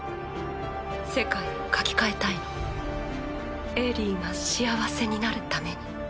世界を書き換えたいのエリィが幸せになるために。